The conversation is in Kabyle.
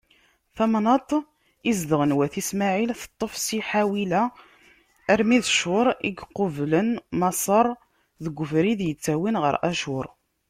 Tamnaṭ i zedɣen wat Ismaɛil, teṭṭef si Ḥawila armi d Cur, i yequblen Maṣer, deg ubrid ittawin ɣer Acur.